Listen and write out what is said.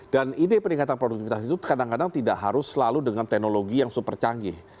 dan ide peningkatan produktivitas itu kadang kadang tidak harus selalu dengan teknologi yang super canggih